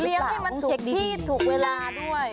เลี้ยงให้มันถูกที่ถูกเวลาด้วย